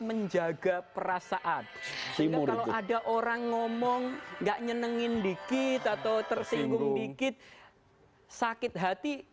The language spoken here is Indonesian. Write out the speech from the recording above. menjaga perasaan simbol ada orang ngomong gak nyenengin dikit atau tersinggung bikin sakit hati